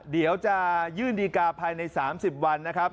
เดี๋ยวจะยื่นดีการ์ภายใน๓๐วันนะครับ